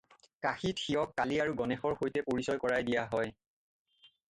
কাশীত শিৱক কালী আৰু গণেশৰ সৈতে পৰিচয় কৰাই দিয়া হয়।